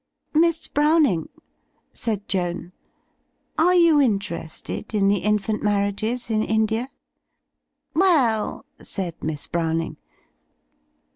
"Miss Browning," said Joan, "are you interested in the infant marriages in India?" "Well —'' said Miss Browning.